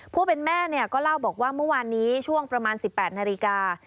ผู้เป็นแม่ก็เล่าบอกว่าเมื่อวานนี้ช่วงประมาณ๑๘นาฬิกา